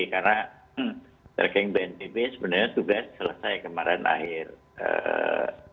karena tracking bnpb sebenarnya tugas selesai kemarin akhir minggu